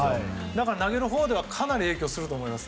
だから投げるほうではかなり影響すると思います。